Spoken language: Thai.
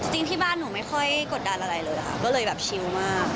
จริงที่บ้านหนูไม่ค่อยกดดันอะไรเลยค่ะก็เลยแบบชิวมาก